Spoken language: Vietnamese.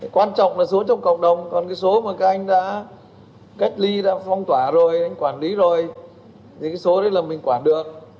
quan trọng là số trong cộng đồng còn cái số mà các anh đã cách ly đã phong tỏa rồi anh quản lý rồi thì cái số đấy là mình quản được